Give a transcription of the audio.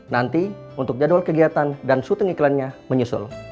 nanti untuk jadwal kegiatan dan shooting iklannya menyusul